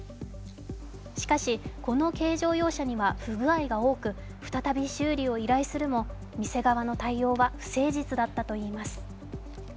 しかし、この軽乗用車には不具合が多く再び修理を依頼するも店側の対応は不誠実だったといいます。